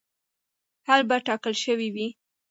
حل به ټاکل شوی وي.